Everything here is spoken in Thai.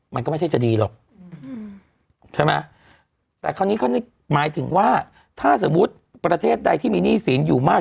มันก็ไม่ใช่จะดีหรอกใช่ไหมแต่คราวนี้เขานึกหมายถึงว่าถ้าสมมุติประเทศใดที่มีหนี้สินอยู่มาก